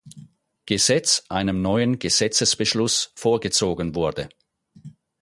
Gesetz einem neuen Gesetzesbeschluss vorgezogen wurde.